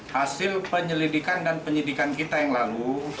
hasil penyelidikan dan penyidikan kita yang lalu